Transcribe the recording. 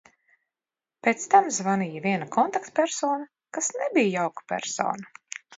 Pēc tam zvanīja viena kontaktpersona, kas nebija jauka persona.